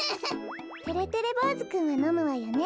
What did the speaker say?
てれてれぼうずくんはのむわよね？